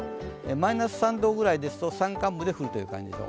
マイナス３度くらいですと山間部で降るという感じです。